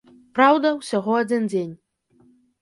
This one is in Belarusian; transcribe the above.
Праўда, усяго адзін дзень.